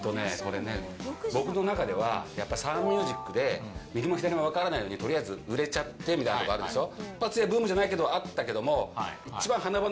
僕の中ではサンミュージックで右も左も分からないのにとりあえず売れちゃってみたいなところあるでしょ。